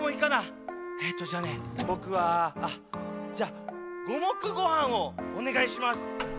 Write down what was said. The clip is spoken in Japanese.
えっとじゃあねぼくはあっじゃあごもくごはんをおねがいします。